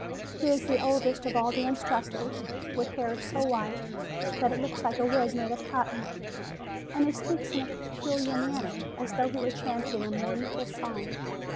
He is the oldest of all the instructors, with hair so white that it looks like a wig made of cotton ; and he speaks in a peculiar manner, as though he were chanting a mournful song.